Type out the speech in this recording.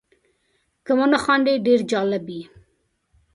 که ونه خاندې ډېر جالب یې .